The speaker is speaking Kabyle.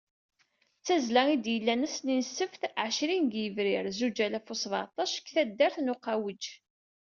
D tazzla, i d-yellan ass-nni n ssebt εecrin deg yebrir zuǧ alaf u seεṭac, eg taddart n Uqaweǧ.